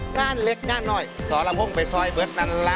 งานเล็กงานน้อยสาวละพงไปซอยเบิร์ดนั่นล่ะ